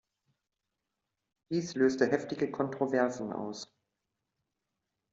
Dies löste heftige Kontroversen aus.